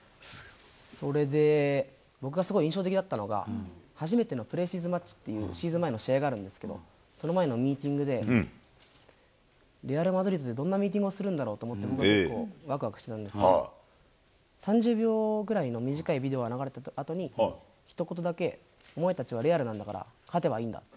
それで僕がすごい印象的だったのが、初めてのプレシーズンマッチという、シーズン前の試合があるんですけど、その前のミーティングで、レアル・マドリードでどんなミーティングをするんだろうと思って、すごくわくわくしてたんですけど、３０秒ぐらいの短いビデオが流れたあとに、ひと言だけ、お前たちはレアルなんだから、勝てばいいんだと。